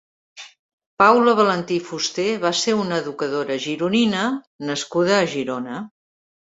Paula Valentí Fuster va ser una educadora gironina nascuda a Girona.